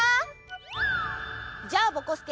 じゃあぼこすけ